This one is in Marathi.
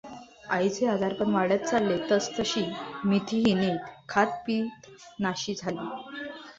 आईचे आजारपण वाढत चालले, तसतशी मथीही नीट खातपीतनाशी झाली.